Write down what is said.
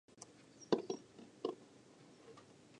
年末になるとやたら高くなる